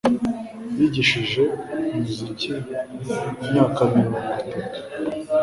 Yigishije umuziki imyaka mirongo itatu